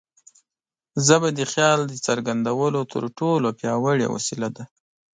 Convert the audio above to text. ژبه د خیال د څرګندولو تر ټولو پیاوړې وسیله ده.